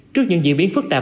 trước những diễn biến phức tạp